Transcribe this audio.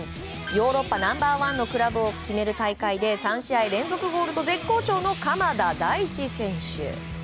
ヨーロッパナンバー１のクラブを決める大会で３試合連続ゴールと絶好調の鎌田大地選手。